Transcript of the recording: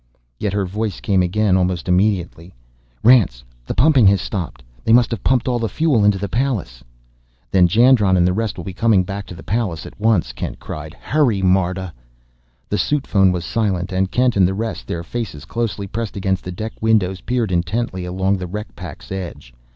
Yet her voice came again almost immediately. "Rance, the pumping has stopped! They must have pumped all the fuel into the Pallas!" "Then Jandron and the rest will be coming back to the Pallas at once!" Kent cried. "Hurry, Marta!" The suit phone was silent; and Kent and the rest, their faces closely pressed against the deck windows, peered intently along the wreck pack's edge.